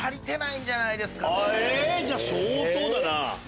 じゃあ相当だな。